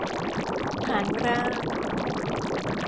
ฐานราก